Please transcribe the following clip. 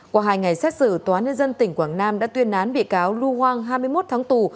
qua hai ngày xét xử tòa nhân dân tỉnh quảng nam đã tuyên án bị cáo lu hoang hai mươi một tháng tù